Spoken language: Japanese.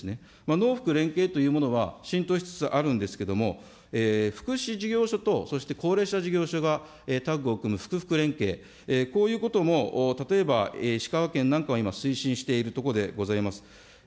農福連携というものは浸透しつつあるんですけれども、福祉事業所とそして高齢者事業所がタッグを組む福福連携、こういうことも例えば、石川県なんかも、今、推進しているところでございます。